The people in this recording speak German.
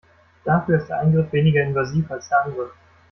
Dafür ist der Eingriff weniger invasiv als der andere.